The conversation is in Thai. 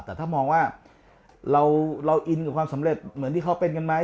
แต่ถ้ามองว่าเราอินกับความสำเร็จเหมือนที่เขาเป็นกันไหม